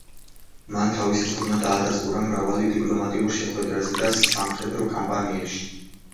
მან თავისი ცოდნა დაადასტურა მრავალი დიპლომატიურ შეხვედრებზე და სამხედრო კამპანიებში.